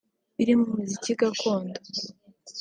birimo umuziki gakondo